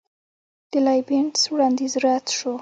د لایبینټس وړاندیز رد شو.